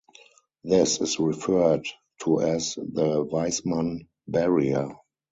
This is referred to as the Weismann barrier.